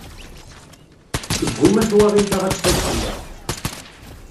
Tgumma twaɣit-a ad tfak fell-aɣ.